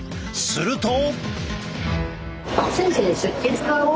すると。